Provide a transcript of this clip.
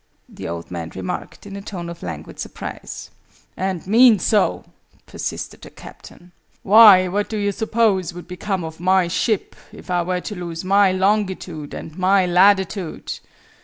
the old man remarked, in a tone of languid surprise. "And mean so," persisted the Captain. "Why, what do you suppose would become of My ship, if I were to lose My Longitude and My Latitude?